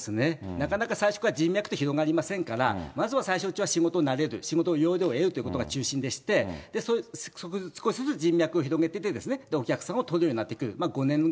なかなか最初から人脈って広がりませんから、まずは最初のうちは仕事に慣れる、仕事の要領を得るということが中心でして、少しずつ人脈を広げていって、お客様を取れるようになってくる。